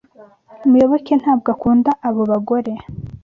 Muyoboke ntabwo akunda abo bagore.